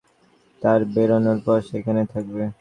তারা বেরোনোর পর, সেখানেই থাকবে।